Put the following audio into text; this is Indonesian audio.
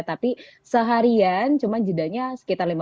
tapi seharian cuma jedanya sekitar lima puluh